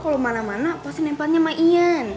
kalau mana mana pasti nempannya sama ian